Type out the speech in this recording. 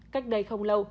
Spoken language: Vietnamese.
cách đây không lâu